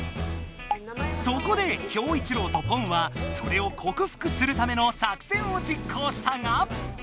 そこでキョウイチロウとポンはそれをこくふくするための作戦を実行したが。